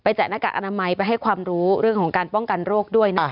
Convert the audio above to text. แจกหน้ากากอนามัยไปให้ความรู้เรื่องของการป้องกันโรคด้วยนะคะ